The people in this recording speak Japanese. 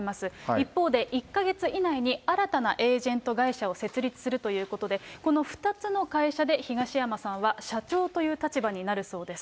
一方で、１か月以内に新たなエージェント会社を設立するということで、この２つの会社で、東山さんは社長という立場になるそうです。